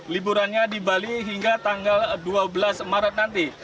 liburannya di bali hingga tanggal dua belas maret nanti